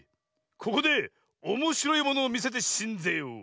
ここでおもしろいものをみせてしんぜよう。